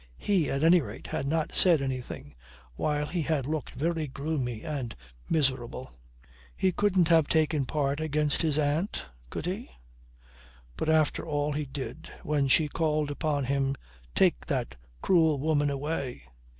He at any rate had not said anything, while he had looked very gloomy and miserable. He couldn't have taken part against his aunt could he? But after all he did, when she called upon him, take "that cruel woman away."